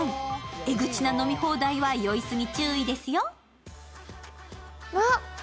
エグチな飲み放題は酔いすぎ注意ですよ。